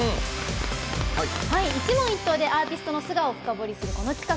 一問一答でアーティストの素顔を深掘りするこの企画。